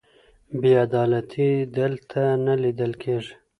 بې عدالتي دلته نه لیدل کېږي.